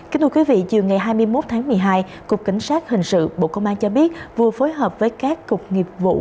chưa ngày hai mươi một tháng một mươi hai cục cảnh sát hình sự bộ công an cho biết vừa phối hợp với các cục nghiệp vụ